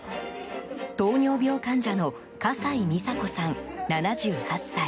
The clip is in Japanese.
糖尿病患者の笠井美佐子さん７８歳。